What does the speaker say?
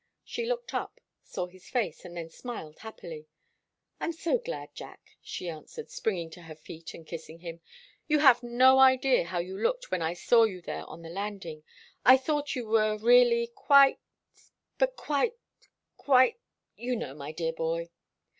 She looked up, saw his face, and then smiled happily. "I'm so glad, Jack," she answered, springing to her feet and kissing him. "You have no idea how you looked when I saw you there on the landing. I thought you were really quite but quite, quite, you know, my dear boy."